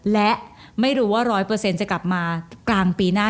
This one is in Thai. และไม่รู้ว่าร้อยเปอร์เซ็นต์จะกลับมากลางปีหน้า